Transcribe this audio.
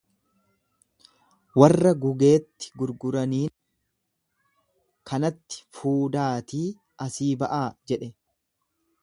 Warra gugeetti gurguraniin, Kanatti fuudaatii asii ba'aa jedhe.